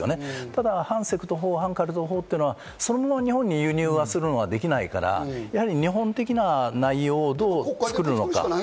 ただ反セクト法、反カルト法っていうのはそのまま日本に流入することはできないから、日本的な内容をどう作るのか。